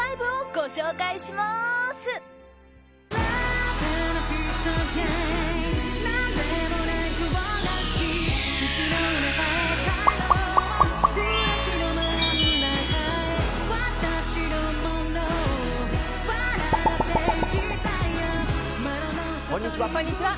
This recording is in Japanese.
こんにちは。